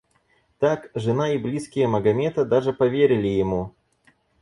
Так, жена и близкие Магомета даже поверили ему.